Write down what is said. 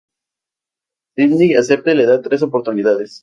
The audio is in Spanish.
Sidney acepta y le da tres oportunidades.